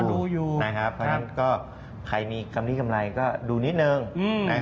เพราะฉะนั้นก็คลิปที่ในกำลังดูหน่อย